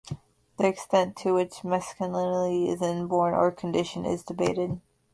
The extent to which masculinity is inborn or conditioned is debated.